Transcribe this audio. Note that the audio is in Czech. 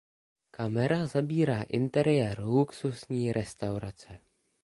Kamera zabírá interiér luxusní restaurace.